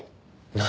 何？